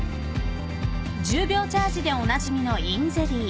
１０秒チャージでおなじみのｉｎゼリー。